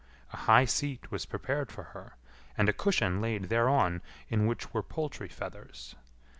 A high seat was prepared for her, and a cushion laid thereon in which were poultry feathers.